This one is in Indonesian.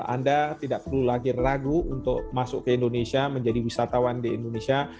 anda tidak perlu lagi ragu untuk masuk ke indonesia menjadi wisatawan di indonesia